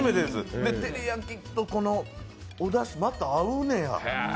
照り焼きと、このおだしまた合うねや。